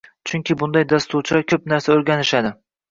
Chunki bunday dasturchilar ko’p narsa o’rganishadi